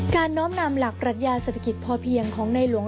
น้อมนำหลักปรัชญาเศรษฐกิจพอเพียงของในหลวง